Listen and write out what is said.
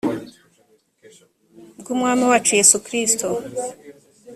bw umwami wacu yesu kristo